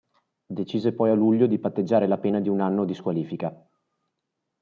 Decise poi a luglio di patteggiare la pena di un anno di squalifica.